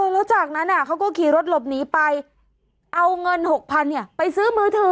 แล้วจากนั้นเขาก็ขี่รถหลบหนีไปเอาเงิน๖๐๐๐ไปซื้อมือถือ